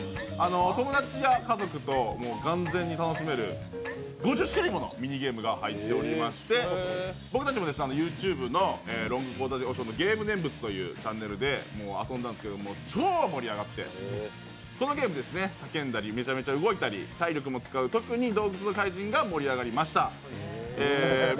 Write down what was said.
友達や家族と俄然楽しめる５０種類のゲームが入っていまして僕たちもＹｏｕＴｕｂｅの「ロングコートダディ和尚のゲーム念仏」というチャンネルで遊んだんですけれども、超盛り上がって、このゲーム、叫んだりめちゃめちゃ動いたり体力も使う「洞窟の怪人」が盛り上がりました。